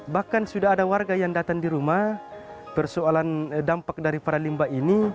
bahkan sudah ada warga yang datang di rumah persoalan dampak dari para limbah ini